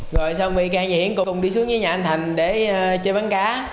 rồi sau vy cang và hiển cùng đi xuống với nhà anh thành để chơi bắn cá